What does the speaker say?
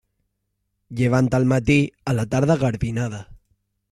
Llevant al matí, a la tarda garbinada.